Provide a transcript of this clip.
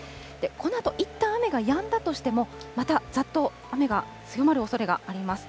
このあと、いったん雨がやんだとしても、また、ざっと雨が強まるおそれがあります。